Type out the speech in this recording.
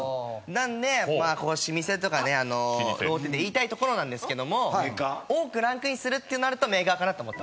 なので老舗とかね言いたいところなんですけども多くランクインするってなるとメーカーかなと思ってます。